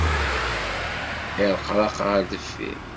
Irreqraq ɣer deffir.